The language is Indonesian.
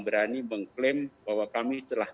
berani mengklaim bahwa kami telah